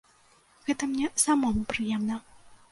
Гэта мне самому прыемна.